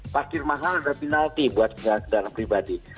pakir mahal adalah penalti buat kendaraan pribadi